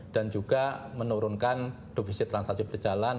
dan juga menurunkan defisit transaksi berjalan